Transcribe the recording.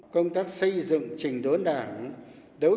công tác xây dựng trình đốn đảng